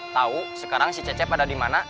tau sekarang si cecep ada dimana